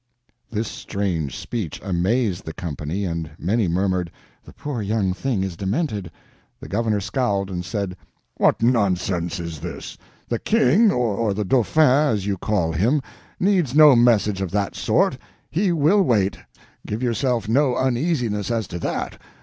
This strange speech amazed the company, and many murmured, "The poor young thing is demented." The governor scowled, and said: "What nonsense is this? The King—or the Dauphin, as you call him—needs no message of that sort. He will wait, give yourself no uneasiness as to that.